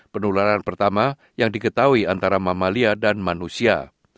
penularan pertama yang diketahui antara mamalia dan manusia